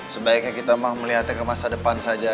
sebaiknya kita melihatnya ke masa depan saja